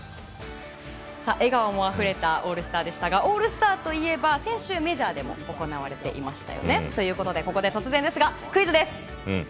笑顔もあふれたオールスターでしたがオールスターといえば先週、メジャーでも行われていましたよね。ということで突然ですがクイズです。